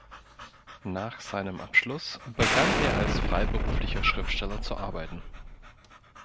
Nach seinem Abschluss begann er als freiberuflicher Schriftsteller zu arbeiten.